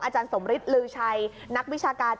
อาจารย์สมฤทธิ์ลือชัยนักวิชาการ